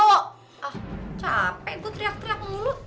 ah capek gue teriak teriak mulu